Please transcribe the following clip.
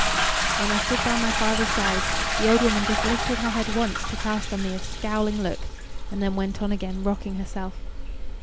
When I stood by my father's side, the old woman just lifted her head once to cast on me a scowling look, and then went on again rocking herself.